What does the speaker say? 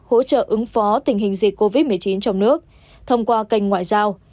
hỗ trợ ứng phó tình hình dịch covid một mươi chín trong nước thông qua kênh ngoại giao